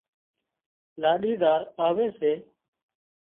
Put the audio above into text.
لاڏِي زار آوي سي